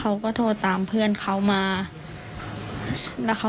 มันเกิดเหตุเป็นเหตุที่บ้านกลัว